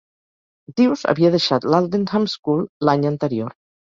Dewes havia deixat l'Aldenham School l'any anterior.